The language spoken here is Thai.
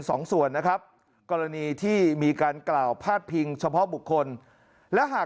สองส่วนนะครับกรณีที่มีการกล่าวพาดพิงเฉพาะบุคคลและหาก